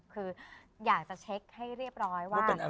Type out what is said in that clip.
คืออยากจะเช็คให้เรียบร้อยว่า